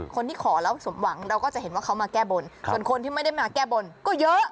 คนที่ขอแล้วสมหวังเราก็จะเห็นว่าเขามาแก้บนส่วนคนที่ไม่ได้มาแก้บนก็เยอะ